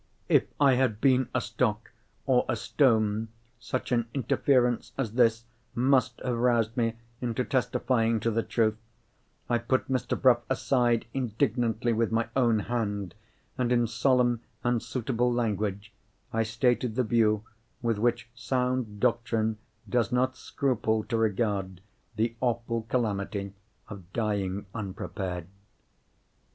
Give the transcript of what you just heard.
If I had been a stock or a stone, such an interference as this must have roused me into testifying to the truth. I put Mr. Bruff aside indignantly with my own hand, and, in solemn and suitable language, I stated the view with which sound doctrine does not scruple to regard the awful calamity of dying unprepared.